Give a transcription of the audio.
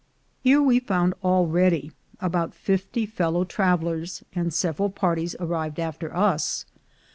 Here we found already about fifty fellow travelers, and several parties arrived after us.